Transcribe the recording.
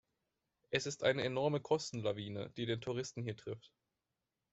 Es ist eine enorme Kostenlawine, die den Touristen hier trifft.